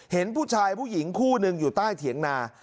เห็นผู้ชายผู้หญิงคู่หนึ่งอยู่ใต้เถียงนา